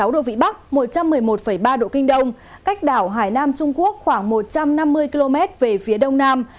một mươi độ vĩ bắc một trăm một mươi một ba độ kinh đông cách đảo hải nam trung quốc khoảng một trăm năm mươi km về phía đông nam